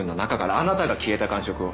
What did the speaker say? あなたが消えた感触を。